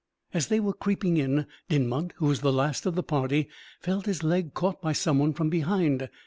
As they were creeping in, Dinmont, who was last of the party, felt his leg caught by someone from behind.